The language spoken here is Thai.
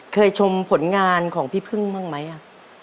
ชมผลงานของพี่พึ่งบ้างไหมอ่ะ